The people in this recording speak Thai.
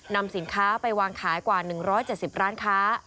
นำสินค้าไปวางขายกว่า๑๗๐ร้านค้า